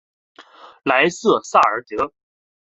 莱瑟萨尔德。